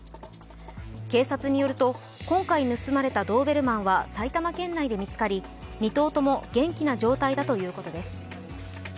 警察によると、今回盗まれたドーベルマンは埼玉県内で見つかり２頭とも元気な状態だということです。